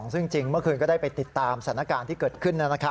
ซึ่งจริงเมื่อคืนก็ได้ไปติดตามสถานการณ์ที่เกิดขึ้น